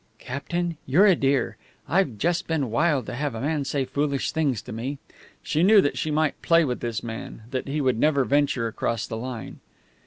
"Captain, you're a dear! I've just been wild to have a man say foolish things to me." She knew that she might play with this man; that he would never venture across the line.